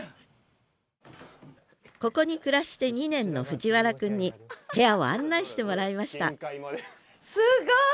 ここに暮らして２年の藤原くんに部屋を案内してもらいましたすごい！